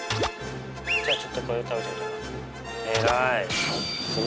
じゃあちょっとこれ食べて。